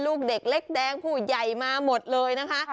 ลูกเด็กเล็กแดงผู้ใหญ่มาหมดเลยนะคะ